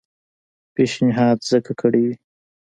پېشنهاد ځکه کړی وي.